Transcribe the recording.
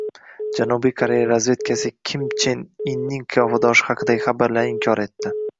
Janubiy Koreya razvedkasi Kim Chen Inning qiyofadoshi haqidagi xabarlarni inkor etding